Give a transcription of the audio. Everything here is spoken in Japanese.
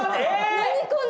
何この？